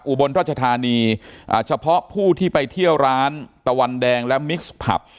อุบลราชธานีอ่าเฉพาะผู้ที่ไปเที่ยวร้านตะวันแดงและมิกซ์ผับ